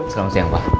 selamat siang pak